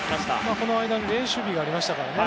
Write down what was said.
この間に練習日がありましたからね。